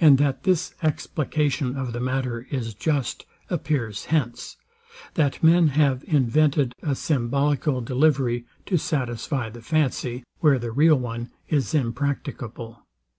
And that this explication of the matter is just, appears hence, that men have invented a symbolical delivery, to satisfy the fancy, where the real one is impracticable.